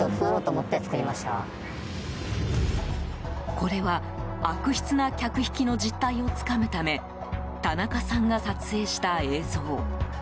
これは悪質な客引きの実態をつかむため田中さんが撮影した映像。